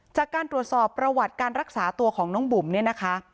จากการตรวจสอบประวัติการรักษาตัวของน้องบุ๋มเนี่ยนะคะ